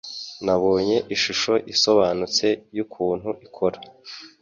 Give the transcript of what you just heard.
Nabonye ishusho isobanutse yukuntu ikora.